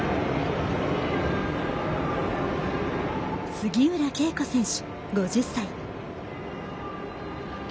杉浦佳子選手、５０歳。